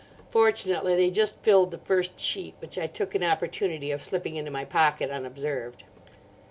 Fortunately they just filled the first sheet, which I took an opportunity of slipping into my pocket unobserved.